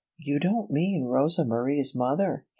"You don't mean Rosa Marie's mother!"